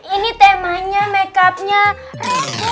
ini temanya makeup nya rainbow